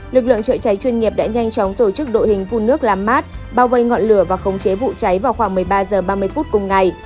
lực lượng chữa cháy chuyên nghiệp đã nhanh chóng tổ chức đội hình phun nước làm mát bao vây ngọn lửa và khống chế vụ cháy vào khoảng một mươi ba h ba mươi phút cùng ngày